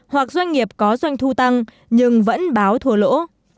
hoặc doanh nghiệp có doanh thu tăng nhưng vẫn báo thua lỗ